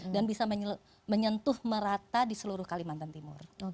dan bisa menyentuh merata di seluruh kaltimantan timur